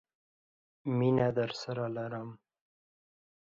مینه درسره لرم!